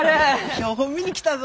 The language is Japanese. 標本見に来たぞ。